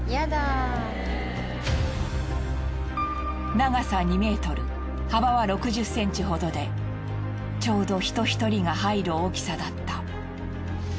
長さ２ｍ幅は６０ｃｍほどでちょうど人一人が入る大きさだった。